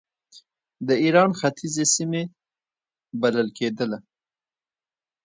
د ایران ختیځې سیمې بلل کېدله.